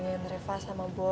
ya because reva udah tau